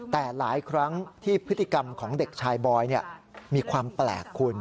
แต่หลายครั้งที่พฤติกรรมของเด็กชายบอยมีความแปลกคุณ